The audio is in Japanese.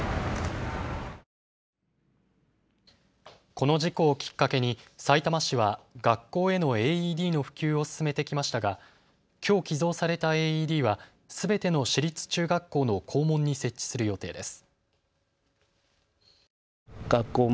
この事故をきっかけにさいたま市は学校へのＡＥＤの普及を進めてきましたがきょう寄贈されたＡＥＤはすべての市立中学校の校門に設置する予定です。